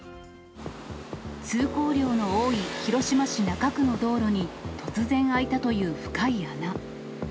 通行量の多い広島市中区の道路に突然開いたという深い穴。